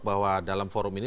bahwa dalam forum ini